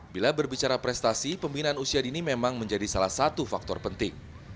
bila berbicara prestasi pembinaan usia dini memang menjadi salah satu faktor penting